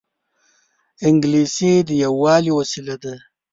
انګلیسي د یووالي وسیله ده